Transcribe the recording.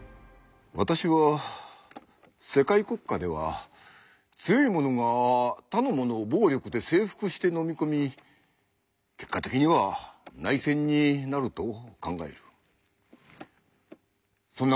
私は世界国家では強いものが他のものを暴力で征服してのみ込み結果的には内戦になると考える。